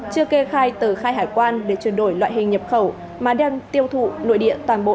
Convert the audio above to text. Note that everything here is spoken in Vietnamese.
chưa kê khai tờ khai hải quan để chuyển đổi loại hình nhập khẩu mà đang tiêu thụ nội địa toàn bộ